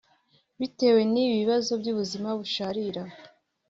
bitewe n’ibi bibazo by’ubuzima busharira